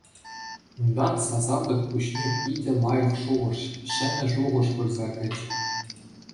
Унтан сасартӑк пуҫне питӗ лайӑх шухӑш, ҫӗнӗ шухӑш пырса кӗчӗ.